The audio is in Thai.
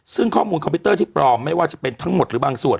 ซึ่งข้อมูลคอมพิวเตอร์ที่ปลอมไม่ว่าจะเป็นทั้งหมดหรือบางส่วน